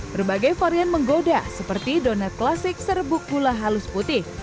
berbagai varian menggoda seperti donat klasik serbuk gula halus putih